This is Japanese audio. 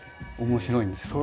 面白いんですよ。